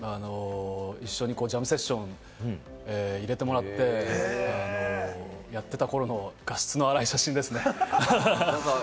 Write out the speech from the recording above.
一緒にジャムセッションをやってもらって、やってた頃の画質の粗い写真ですね、あはは。